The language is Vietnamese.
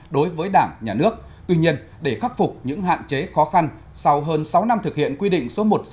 đối với đảng nhà nước tuy nhiên để khắc phục những hạn chế khó khăn sau hơn sáu năm thực hiện quy định số một trăm sáu mươi